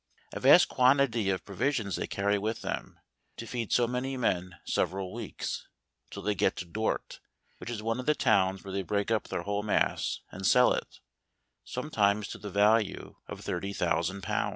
A vast quantity of provi¬ sion they carry with them, to feed so many men several weeks; till they get to Dort, which is one of the towns where they break up their whole mass, and sell it; sometimes to the value of thirty thousand pounds.